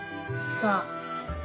さあ！